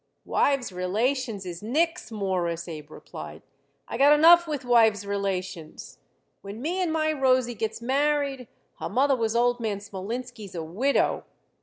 "Wives' relations is nix, Mawruss," Abe replied. "I got enough with wives' relations. When me and my Rosie gets married her mother was old man Smolinski's a widow.